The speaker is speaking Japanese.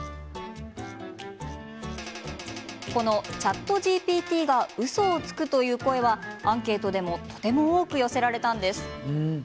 このＣｈａｔＧＰＴがウソをつくという声はアンケートでもとても多く寄せられたんです。